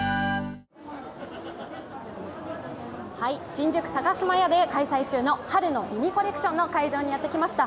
新宿高島屋で開催中の春の美味コレクションにやってきました。